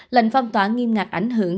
lệnh phong tỏa nghiêm ngặt ảnh hưởng